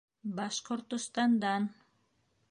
Башҡортостандан.